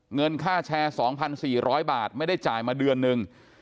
เงินค่าแชร์๒๔๐๐บาทไม่ได้จ่ายมาเดือนนึง